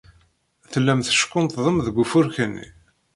Tellam teckunṭḍem deg ufurk-nni.